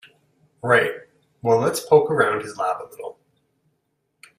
Right, well let's poke around his lab a little.